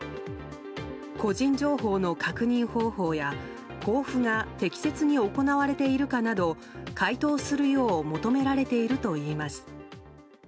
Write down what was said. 個人情報の確認方法や交付が適切に行われているかなど回答するよう求められているといいます。